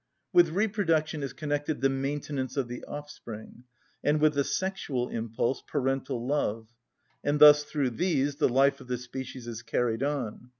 With reproduction is connected the maintenance of the offspring, and with the sexual impulse, parental love; and thus through these the life of the species is carried on.